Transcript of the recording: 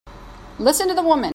Listen to the woman!